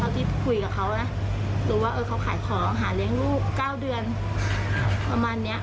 ที่คุยกับเขานะดูว่าเขาขายของหาเลี้ยงลูก๙เดือนประมาณนี้